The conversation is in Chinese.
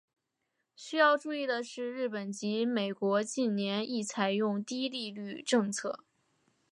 需要注意的是日本及美国近年亦采用低利率政策。